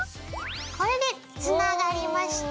これでつながりました。